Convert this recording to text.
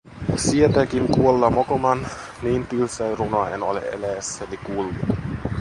Sietääkin kuolla mokoman, niin tylsää runoa en ole eläessäni kuullut.